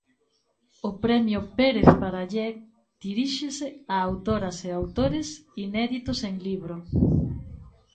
O premio Pérez Parallé diríxese a autoras e autores inéditos en libro.